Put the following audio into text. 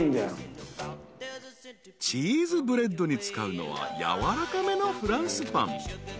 ［チーズブレッドに使うのはやわらかめのフランスパン］